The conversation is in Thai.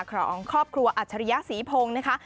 ของครอบครัวอัชริยะสีโพงนะคะ